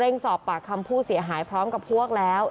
สอบปากคำผู้เสียหายพร้อมกับพวกแล้ว